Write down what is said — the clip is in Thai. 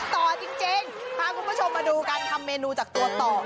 ต่อจริงพาคุณผู้ชมมาดูการทำเมนูจากตัวต่อ